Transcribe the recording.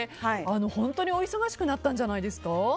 本当にお忙しくなったんじゃないですか？